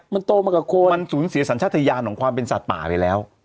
มันโตมากับคนมันสูญเสียสัญชาติยานของความเป็นสัตว์ป่าไปแล้ว